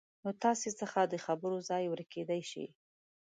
نو تاسې څخه د خبرو ځای ورکېدای شي